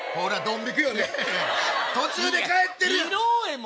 途中で帰ってるやん。